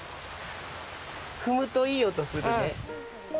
踏むと、いい音するね。